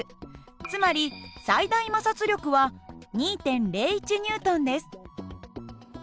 つまり最大摩擦力は２．０１Ｎです。